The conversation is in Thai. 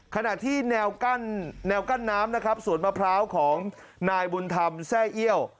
ขณะที่แนวกั้นน้ำสวนมะพร้าวของนายบุญธรรมแทรกเยี่ยว